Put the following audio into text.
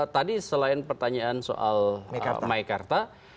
tadi selain pertanyaan soal maikarta